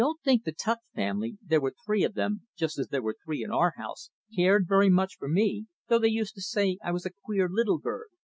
I don't think the Tuck family there were three of them, just as there were three in our house cared very much for me, though they used to say I was a queer little bird.